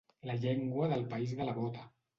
La llengua del país de la bota.